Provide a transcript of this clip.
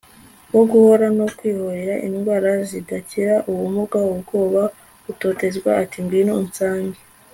wo guhora no kwihorera, indwara zidakira, ubumuga, ubwoba, gutotezwa,... ati ngwino unsange